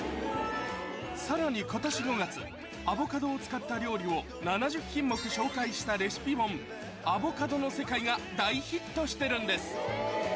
さらに今年５月アボカドを使った料理を７０品目紹介したレシピ本『アボカドの世界』が大ヒットしてるんです